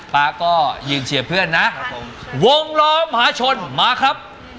ป๊าก็ยืนเชียร์เพื่อนนะครับผมวงล้อมหาชนมาครับ